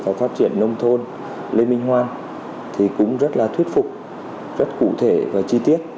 và phát triển nông thôn lê minh hoan thì cũng rất là thuyết phục rất cụ thể và chi tiết